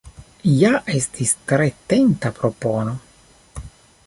Ja estis tre tenta propono!